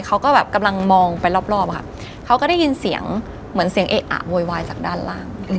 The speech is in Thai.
เขาก็แบบกำลังมองไปรอบค่ะเขาก็ได้ยินเสียงเหมือนเสียงเอะอะโวยวายจากด้านล่าง